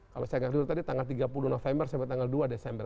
kalau saya nggak dulu tadi tanggal tiga puluh november sampai tanggal dua desember